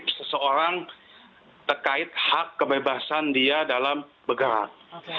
seseorang terkait hak kebebasan dia dalam bergerak